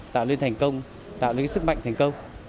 tạo nên sức mạnh thành công